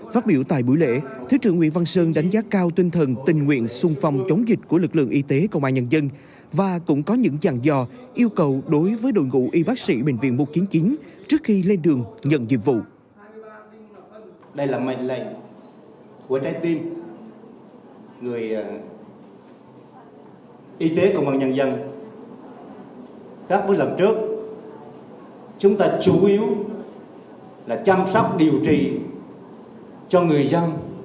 phát biểu tại buổi lễ thứ trưởng nguyễn văn sơn đánh giá cao tinh thần tình nguyện xung phong chống dịch của lực lượng y tế công an nhân dân và cũng có những dàn dò yêu cầu đối với đội ngũ y bác sĩ bệnh viện một trăm chín mươi chín trước khi lên đường nhận dịch vụ